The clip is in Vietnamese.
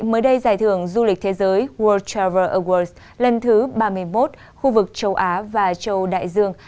mới đây giải thưởng du lịch thế giới world travel awards lần thứ ba mươi một khu vực châu á và châu đại dương